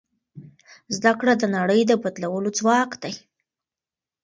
زده کړه د نړۍ د بدلولو ځواک دی.